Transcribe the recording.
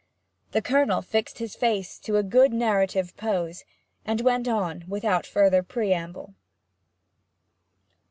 The Colonel fixed his face to a good narrative pose, and went on without further preamble.